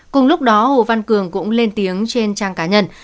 cùng lúc đó hồ văn cường cũng lên tiếng trên trang cá nhân